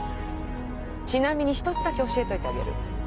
ちなみに一つだけ教えといてあげる。